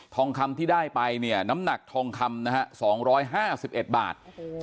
ทองคำที่ได้ไปเนี่ยน้ำหนักทองคำนะครับสองร้อยห้าสิบแบบ